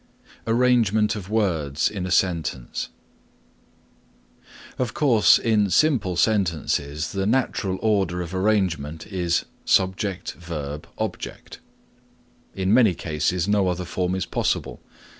ARRANGEMENT OF WORDS IN A SENTENCE Of course in simple sentences the natural order of arrangement is subject verb object. In many cases no other form is possible.